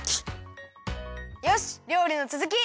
よしりょうりのつづき！